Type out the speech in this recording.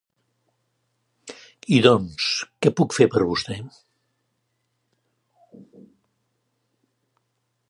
I doncs, què puc fer per vostè?